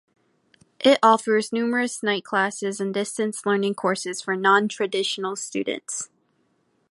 It offers numerous night classes and distance learning courses for non-traditional students.